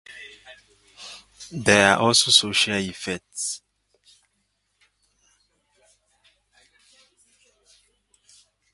There are also social effects.